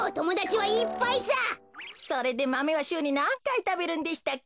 それでマメはしゅうになんかいたべるんでしたっけ？